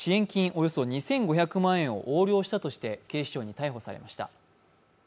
およそ２５００万円を横領したとして警視庁に逮捕されました。